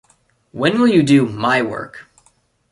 When will you do my work?